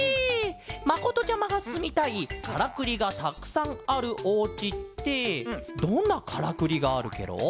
まことちゃまがすみたいカラクリがたくさんあるおうちってどんなカラクリがあるケロ？